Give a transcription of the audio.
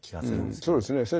うんそうですね。